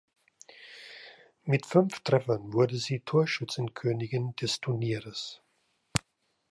Mit fünf Treffern wurde sie Torschützenkönigin des Turniers.